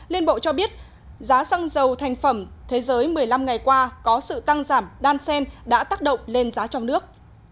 liên bộ cho biết giá xăng dầu thành phẩm thế giới một mươi năm ngày qua có sự tăng giảm đan sen đã tác động lên giá trong nước